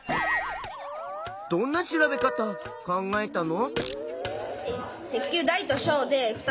どんな調べ方考えたの？